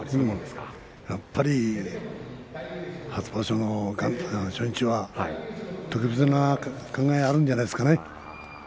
やっぱり初場所の初日は特別な感慨があるんじゃないでしょうかね。